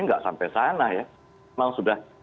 nggak sampai sana ya memang sudah